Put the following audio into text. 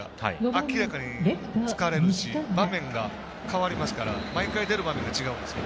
明らかに疲れるし場面が変わりますから毎回、出る場面が違うんですよ。